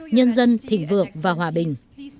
nhân dân thịnh vượng và hòa bình